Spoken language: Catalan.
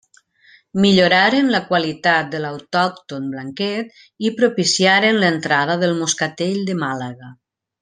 Milloraren la qualitat de l'autòcton blanquet i propiciaren l'entrada del moscatell de Màlaga.